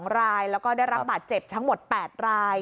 ๒รายแล้วก็ได้รับบาดเจ็บทั้งหมด๘ราย